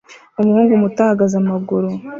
Umuhungu muto ahagaze amaguru